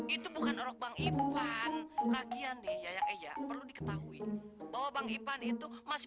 itu bukan orang bang ipan lagi andi ya ya perlu diketahui bahwa bang ipan itu masih